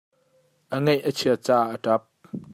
A ngaih a chiat caah a ṭap.